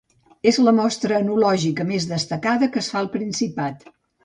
És la mostra enològica més destacada que es fa al Principat.